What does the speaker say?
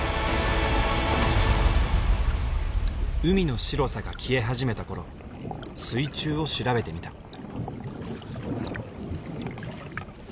海の白さが消え始めた頃水中を調べてみた。